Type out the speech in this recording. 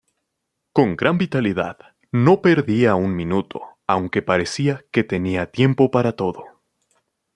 Con gran vitalidad, no perdía un minuto, aunque parecía que tenía tiempo para todo.